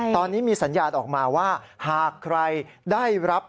ตอนนี้มีสัญญาณออกมาว่าหากใครได้รับ